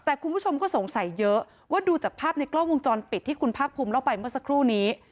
แต่คุณผู้ชมก็สงสัยเยอะว่าดูจากภาพในกล้องวงจรปิดที่คุณภาคภูมิเล่าไปเมื่อสักครู่นี้